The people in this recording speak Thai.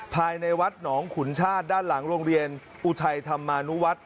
ภายในวัดหนองขุนชาติด้านหลังโรงเรียนอุทัยธรรมานุวัฒน์